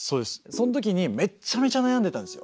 そのときにめっちゃめちゃ悩んでたんですよ。